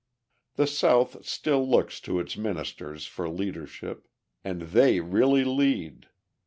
The South still looks to its ministers for leadership and they really lead.